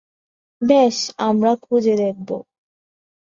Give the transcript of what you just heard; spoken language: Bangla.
বেশ, আমরা খোঁজে দেখব?